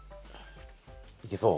いけそう？